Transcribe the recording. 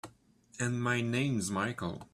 And my name's Michael.